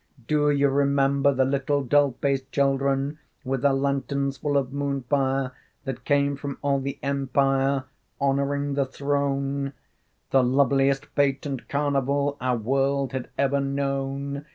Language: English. Do you remember The little doll faced children With their lanterns full of moon fire, That came from all the empire Honoring the throne? The loveliest fête and carnival Our world had ever known?